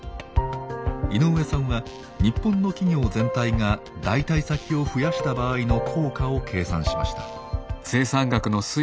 井上さんは日本の企業全体が代替先を増やした場合の効果を計算しました。